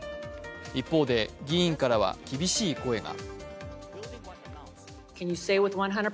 一方で議員からは厳しい声が。